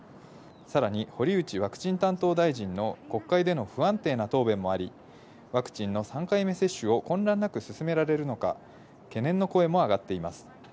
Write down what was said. さらに堀内ワクチン担当大臣の国会での不安定な答弁もあり、ワクチンの３回目の接種を混乱なく進められるのか、懸念の声も上がっています。